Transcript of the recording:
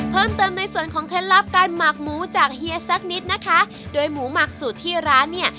เพิ่มเติมในส่วนของเคล็ดลับการหมักหมูจากเฮียสักนิดนะคะโดยหมูหมักสูตรที่ร้านเนี่ย